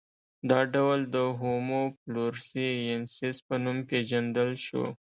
دا ډول د هومو فلورسي ینسیس په نوم پېژندل شو.